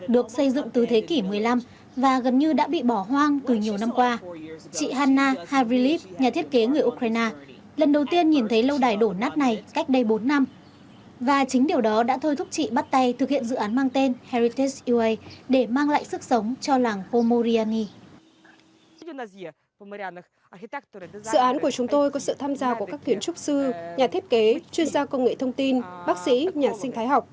dự án của chúng tôi có sự tham gia của các kiến trúc sư nhà thiết kế chuyên gia công nghệ thông tin bác sĩ nhà sinh thái học